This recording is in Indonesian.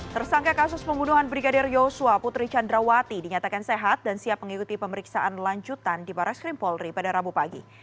tersangka kasus pembunuhan brigadir yosua putri candrawati dinyatakan sehat dan siap mengikuti pemeriksaan lanjutan di barres krim polri pada rabu pagi